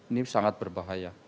ini sangat berbahaya